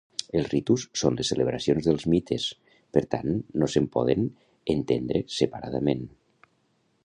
Els ritus són les celebracions dels mites, per tant, no se'n poden entendre separadament.